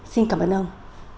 xin cảm ơn ông